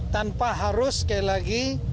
tanpa harus sekali lagi